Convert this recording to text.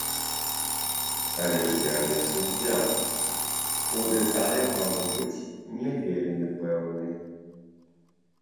Але ж я не суддзя, у дэталях магу быць не вельмі пэўны.